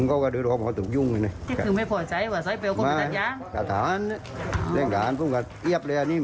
การการลงโดยทางเพชรนี่ไม่ก็มีกับภรรยาสิครับ